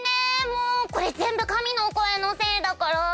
もうこれ全部神の声のせいだから。